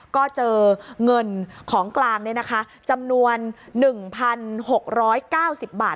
ก็เจอเงินของกลางเนี่ยนะคะจำนวน๑๖๙๐บาท